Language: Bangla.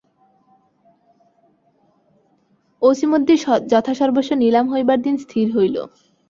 অছিমদ্দির যথাসর্বস্ব নিলাম হইবার দিন স্থির হইল।